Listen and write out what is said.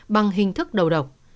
bằng hình thức đầu độc